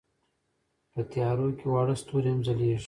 په تیارو کې واړه ستوري هم ځلېږي.